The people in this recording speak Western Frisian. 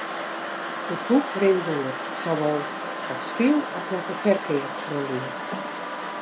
It boek rint goed, sawol wat styl as wat de ferkeap oangiet.